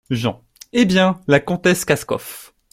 Jean. — Eh bien ! la comtesse Kaskoff.